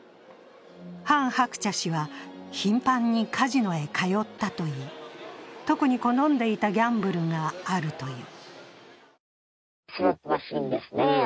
ハン・ハクチャ氏は頻繁にカジノへ通ったといい特に好んでいたギャンブルがあるという。